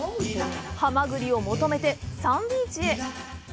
ハマグリを求めてサンビーチへ。